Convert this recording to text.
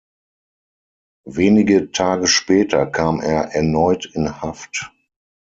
Wenige Tage später kam er erneut in Haft.